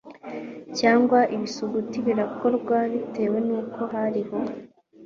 cyangwa ibisuguti Birakorwa bitewe nuko hariho